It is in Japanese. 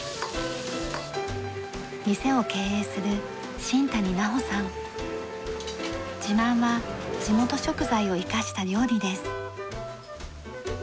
店を経営する自慢は地元食材を生かした料理です。